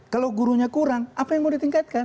kalau gurunya kurang apa yang mau ditingkatkan